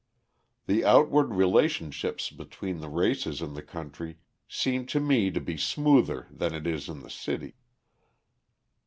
The outward relationships between the races in the country seem to me to be smoother than it is in the city.